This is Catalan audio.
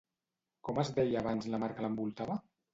Com es deia abans la mar que l'envoltava?